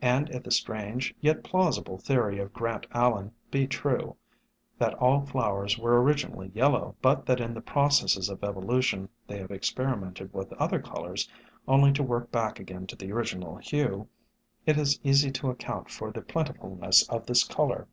And if the strange yet plausible theory of Grant Allen be true, that all flowers were originally yellow, but that in the processes of evolution they have experi mented with other colors only to work back again to the original hue, it is easy to account for the plentifulness of this color.